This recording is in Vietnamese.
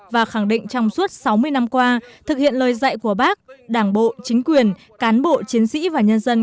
và khẳng định trong suốt sáu mươi năm qua thực hiện lời dạy của bác đảng bộ chính quyền cán bộ chiến sĩ và nhân dân